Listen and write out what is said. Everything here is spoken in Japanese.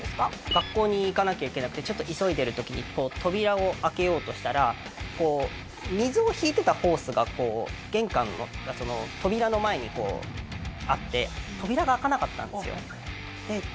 学校に行かなきゃいけなくてちょっと急いでる時に扉を開けようとしたら水を引いてたホースが玄関の扉の前にあって扉が開かなかったんですよ。